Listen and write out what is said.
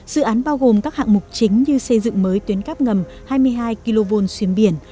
dự án bao gồm các hạng mục chính như xây dựng mới tuyến cắp ngầm hai mươi hai kv xuyên biển